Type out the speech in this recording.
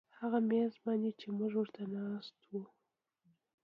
هغه میز باندې چې موږ ورته ناست وو